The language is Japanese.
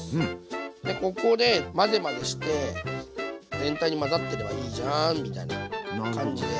でここで混ぜ混ぜして全体に混ざってればいいじゃんみたいな感じで。